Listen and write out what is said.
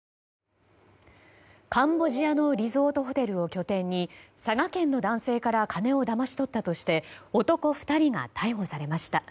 カンボジアのリゾートホテルを拠点に佐賀県の男性から金をだまし取ったとして男２人が逮捕されました。